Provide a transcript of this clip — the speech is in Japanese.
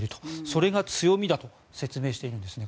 それが強みだと説明しているんですね。